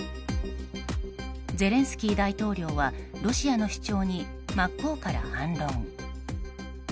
ゼレンスキー大統領はロシアの主張に真っ向から反論。